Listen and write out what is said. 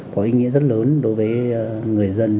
có ý nghĩa rất lớn đối với người dân